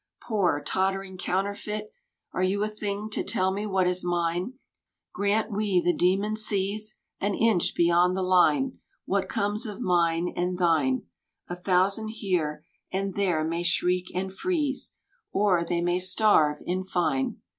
Poor, tottering counterfeit, Are you a thing to tell me what is mine? Grant we the demon sees An inch beyond the line, What comes of mine and thine ? A thousand here and there may shriek and freeze, Or they may starve in fine.